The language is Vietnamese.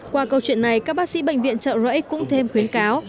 qua câu chuyện này các bác sĩ bệnh viện trợ rẫy cũng thêm khuyến cáo